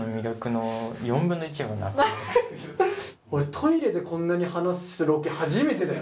俺トイレでこんなに話すロケ初めてだよ。